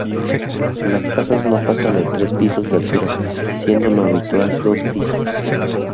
Las casas no pasan de tres pisos de altura, siendo lo habitual dos pisos.